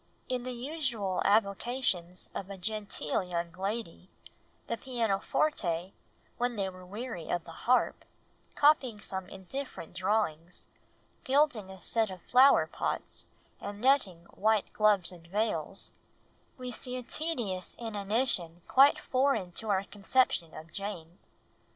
In the usual avocations of a genteel young lady, "the pianoforte, when they were weary of the harp, copying some indifferent drawings, gilding a set of flower pots, and netting white gloves and veils," we see a tedious inanition quite foreign to our conception of Jane.